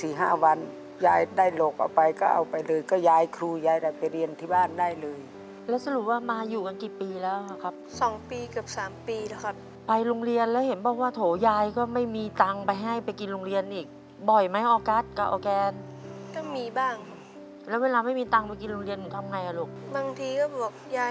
มีความรู้สึกว่ามีความรู้สึกว่ามีความรู้สึกว่ามีความรู้สึกว่ามีความรู้สึกว่ามีความรู้สึกว่ามีความรู้สึกว่ามีความรู้สึกว่ามีความรู้สึกว่ามีความรู้สึกว่ามีความรู้สึกว่ามีความรู้สึกว่ามีความรู้สึกว่ามีความรู้สึกว่ามีความรู้สึกว่ามีความรู้สึกว